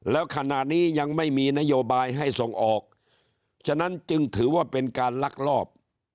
แล้วขณะนี้ยังไม่มีนโยบายให้ส่งออกฉะนั้นจึงถือว่าเป็นการลักลอบ